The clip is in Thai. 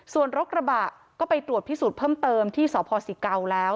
ส่วนรถกระบะก็ไปตรวจพิสูจน์เพิ่มเติมที่สพศิเกาแล้ว